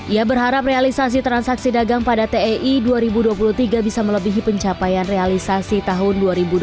ia berharap realisasi transaksi dagang pada tei dua ribu dua puluh tiga bisa melebihi pencapaian realisasi tahun dua ribu dua puluh tiga